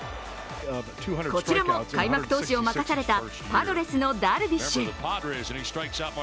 こちらも開幕投手を任されたパドレスのダルビッシュ。